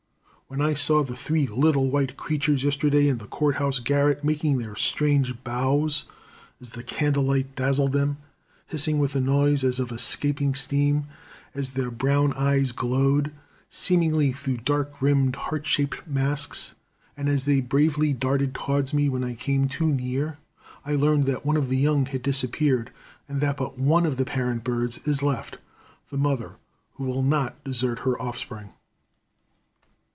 When I saw the three little white creatures yesterday in the court house garret, making their strange bows as the candle light dazzled them, hissing with a noise as of escaping steam, as their brown eyes glowed, seemingly through dark rimmed, heart shaped masks, and as they bravely darted towards me when I came too near, I learned that one of the young had disappeared and that but one of the parent birds is left, the mother, who will not desert her offspring.